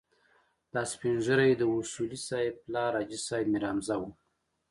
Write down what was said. دا سپين ږيری د اصولي صیب پلار حاجي صیب میرحمزه و.